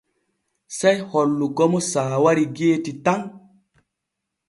Sey hollugo mo saawari geeti tan.